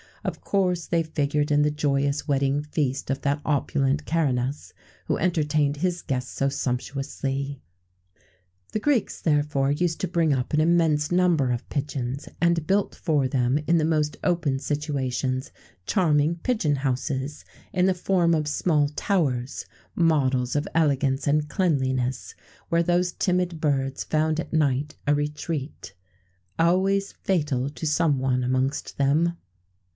[XVII 90] Of course they figured in the joyous wedding feast of that opulent Caranus who entertained his guests so sumptuously.[XVII 91] The Greeks, therefore, used to bring up an immense number of pigeons, and built for them, in the most open situations, charming pigeon houses, in the form of small towers, models of elegance and cleanliness, where those timid birds found at night a retreat, always fatal to some one amongst them.